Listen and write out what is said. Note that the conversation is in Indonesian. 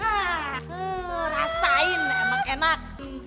haaa rasain emang enak